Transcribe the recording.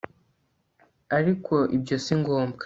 Ariko ibyo si ngombwa